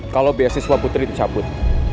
kalo beasiswa putri dicabut